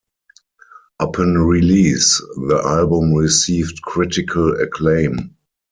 Upon release, the album received critical acclaim.